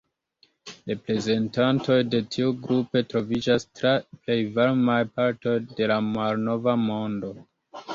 Reprezentantoj de tiu grupo troviĝas tra plej varmaj partoj de la Malnova Mondo.